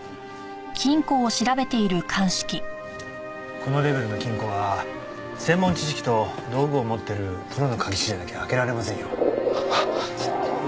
このレベルの金庫は専門知識と道具を持ってるプロの鍵師じゃなきゃ開けられませんよ。